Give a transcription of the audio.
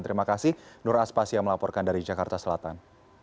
terima kasih nur aspasya melaporkan dari jakarta selatan